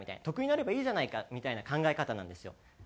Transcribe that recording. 得になればいいじゃないかみたいな考え方なんですよ。